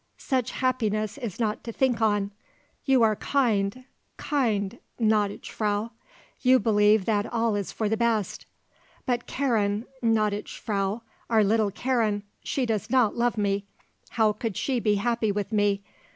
_ Such happiness is not to think on! You are kind, kind, gnädige Frau. You believe that all is for the best. But Karen gnädige Frau, our little Karen! She does not love me. How could she be happy with me?